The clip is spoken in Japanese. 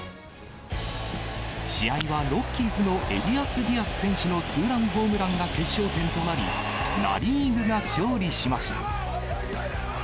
試合はロッキーズのエリアス・ディアス選手のツーランホームランが決勝点となり、ナ・リーグが勝利しました。